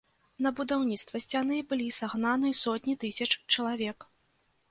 На будаўніцтва сцяны былі сагнаны сотні тысяч чалавек.